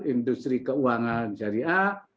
industri keuangan syariah